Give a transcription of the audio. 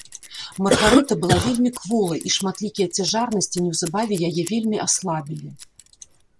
Маргарыта была вельмі кволай і шматлікія цяжарнасці неўзабаве яе вельмі аслабілі.